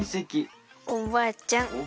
おばあちゃん